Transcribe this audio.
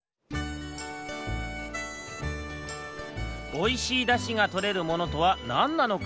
おいしいだしがとれるものとはなんなのか。